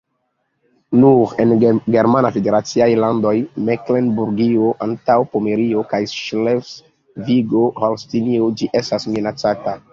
Nur en la germana federaciaj landoj Meklenburgio-Antaŭpomerio kaj Ŝlesvigo-Holstinio ĝi estas minacata.